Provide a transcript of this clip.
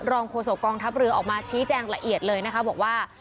โฆษกองทัพเรือออกมาชี้แจงละเอียดเลยนะคะบอกว่า